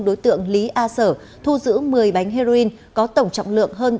đối tượng lý a sở thu giữ một mươi bánh heroin có tổng trọng lượng hơn ba kg